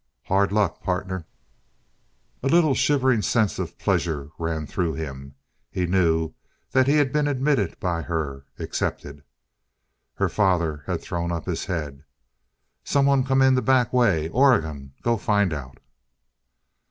"Hard luck, partner!" A little shivering sense of pleasure ran through him. He knew that he had been admitted by her accepted. Her father had thrown up his head. "Someone come in the back way. Oregon, go find out!"